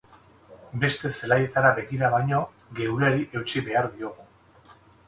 Beste zelaietara begira baino, geureari eutsi behar diogu.